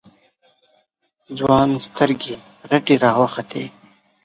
ځوان سترگې رډې راوختې.